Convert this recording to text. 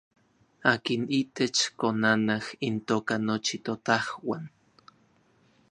Akin itech konanaj intoka nochi totajuan.